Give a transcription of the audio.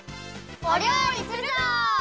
おりょうりするぞ！